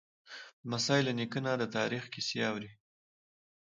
لمسی له نیکه نه د تاریخ کیسې اوري.